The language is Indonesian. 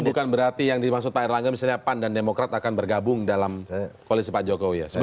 bukan berarti yang dimaksud pak erlangga misalnya pan dan demokrat akan bergabung dalam koalisi pak jokowi ya